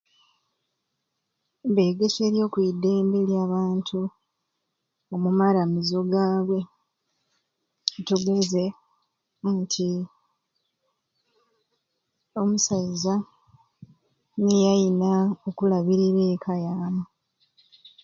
Begeserye okwidembe ly'abantu omu maramizo gabwe katugeze nti omusaiza niye ayina okulabirira ekka yamwei